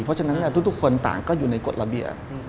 เพราะฉะนั้นทุกคนต่างก็อยู่ในกฎระเบียบ